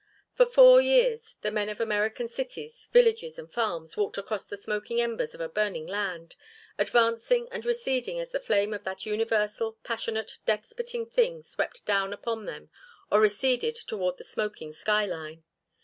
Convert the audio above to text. For four years the men of American cities, villages and farms walked across the smoking embers of a burning land, advancing and receding as the flame of that universal, passionate, death spitting thing swept down upon them or receded toward the smoking sky line.